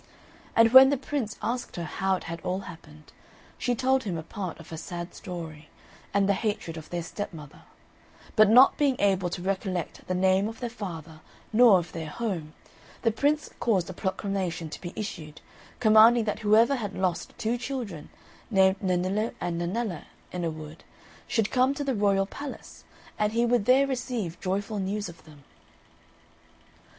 And when the Prince asked her how it had all happened, she told him a part of her sad story, and the hatred of their stepmother; but not being able to recollect the name of their father nor of their home, the Prince caused a proclamation to be issued, commanding that whoever had lost two children, named Nennillo and Nennella, in a wood, should come to the royal palace, and he would there receive joyful news of them.